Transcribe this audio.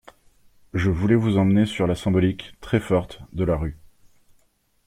Je voulais vous emmener sur la symbolique, très forte, de la rue.